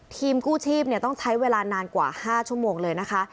กู้ชีพต้องใช้เวลานานกว่า๕ชั่วโมงเลยนะคะ